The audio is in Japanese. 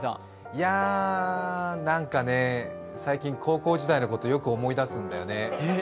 いや、何かね、最近、高校時代のことよく思い出すんだよね。